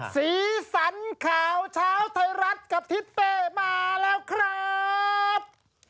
สีสันข่าวเช้าไทยรัฐกับทิศเป้มาแล้วครับ